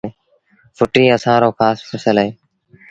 ڦُٽيٚ اسآݩ رو کآس ڦسل اهي